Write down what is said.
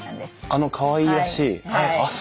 あのかわいらしい。